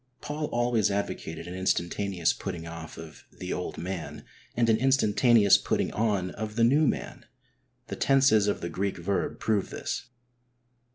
Paul always advocated an instan taneous putting off of " the old man " and an instantaneous putting on of " the new man." The tenses of the Greek verb prove this.